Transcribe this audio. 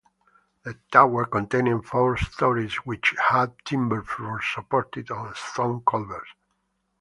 The tower contained four storeys which had timber floors supported on stone corbels.